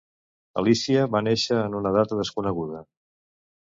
Alícia va néixer en una data desconeguda.